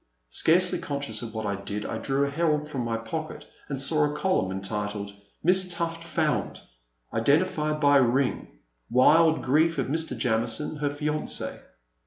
Scarcely conscious of what I did I drew a Herald from my pocket and saw the column entitled :Miss Tufil Found ! Identified by a Ring. Wild Grief of Mr. Jamison, her Fianc6.